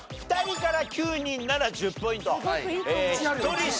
２人から９人なら１０ポイント。